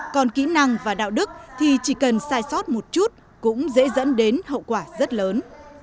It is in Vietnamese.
còn kỹ năng và đạo đức thì chỉ cần sai sót một chút cũng dễ dẫn đến hậu quả rất lớn